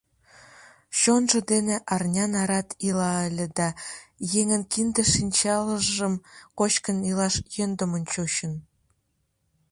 Чонжо дене арня нарат ила ыле да еҥын кинде-шинчалжым кочкын илаш йӧндымын чучын.